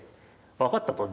分かったと。